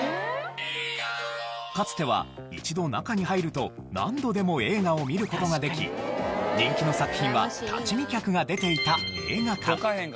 かつては一度中に入ると何度でも映画を見る事ができ人気の作品は立ち見客が出ていた映画館。